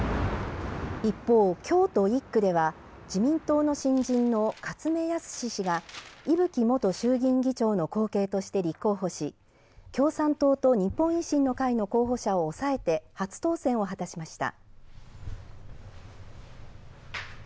一方、京都１区では自民党の新人の勝目康氏が伊吹元衆議院議長の後継として立候補し共産党と日本維新の会の候補者を抑えて初当選を果たしました。